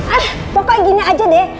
ah pokoknya gini aja deh